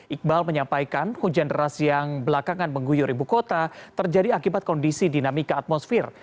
iqbal menyampaikan hujan deras yang belakangan mengguyur ibu kota terjadi akibat kondisi dinamika atmosfer